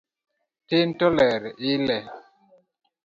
Tin to ler ile